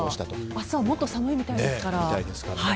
明日はもっと寒いみたいですから。